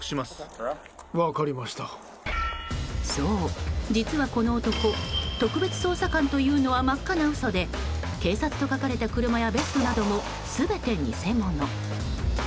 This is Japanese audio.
そう、実はこの男特別捜査官というのは真っ赤な嘘で警察と書かれた車やベストなども全て偽物。